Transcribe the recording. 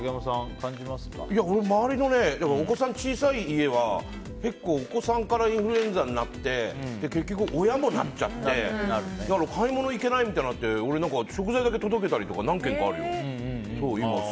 俺周りのお子さん小さい家は結構、お子さんからインフルエンザになって結局、親もなっちゃって買い物行けないみたいになって俺、食材だけ届けたりとか何軒かあるよ。